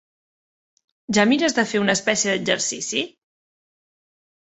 Ja mires de fer una espècie d'exercici?